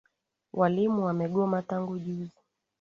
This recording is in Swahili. Walimu wamegoma tangu juzi.